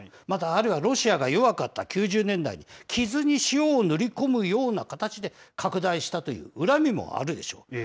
またあるいは、ロシアが弱かった９０年代に傷に塩を塗り込むような形で拡大したという恨みもあるでしょう。